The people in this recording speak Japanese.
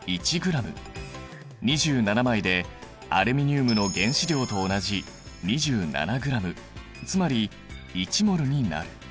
２７枚でアルミニウムの原子量と同じ２７ｇつまり１ｍｏｌになる。